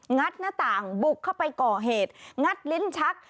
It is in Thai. ัดหน้าต่างบุกเข้าไปก่อเหตุงัดลิ้นชัก